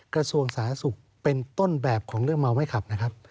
กระทรวงสาธารณสุขเป็นต้นแบบของเรื่องเมาไม่ขับนะครับ